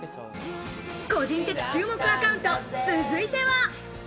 個人的注目アカウント、続いては。